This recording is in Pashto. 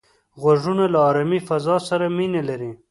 غوږونه له آرامې فضا سره مینه لري